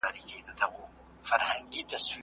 د سیاست پوهه د بریا کيلي ده.